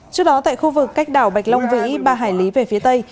trước đó tại khu vực cách đảo bạch long vĩ ba hải lý về phía tây